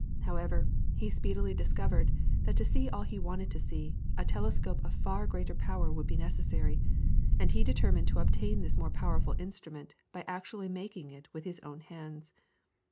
However, he speedily discovered that to see all he wanted to see, a telescope of far greater power would be necessary, and he determined to obtain this more powerful instrument by actually making it with his own hands.